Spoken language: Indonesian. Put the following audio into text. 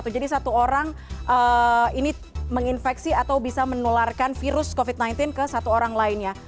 jadi satu orang ini menginfeksi atau bisa menularkan virus covid sembilan belas ke satu orang lainnya